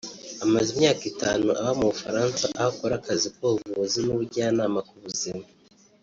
Amaze imyaka itanu aba mu Bufaransa aho akora akazi k’ubuvuzi n’ubujyanama ku buzima